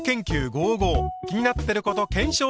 ５５「気になってること検証せよ！